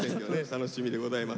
楽しみでございます。